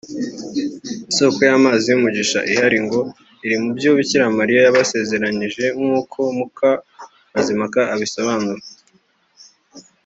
Isoko y’amazi y’umugisha ihari ngo iri mu byo Bikira Mariya yabasezeranyije nkuko Mukamazimpaka abisobanura